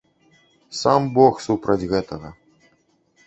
Сам бог супраць гэтага.